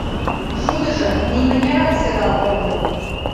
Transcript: Шудыжо нимынярат сӧрал огыл.